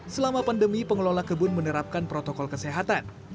selama pandemi pengelola kebun menerapkan protokol kesehatan